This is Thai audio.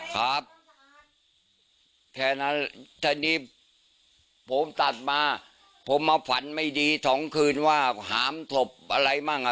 แค่นั้นถ้านี้ผมตัดมาผมเอาฝันไม่ดี๒คืนว่าหามทบอะไรบ้าง